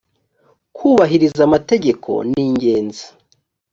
kubahiriza amategeko ningenzi